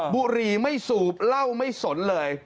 บุรีไม่สูบเหล้าไม่สนเลย